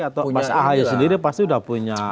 atau mas ahaye sendiri pasti sudah punya